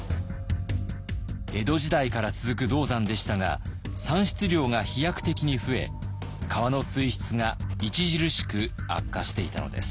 江戸時代から続く銅山でしたが産出量が飛躍的に増え川の水質が著しく悪化していたのです。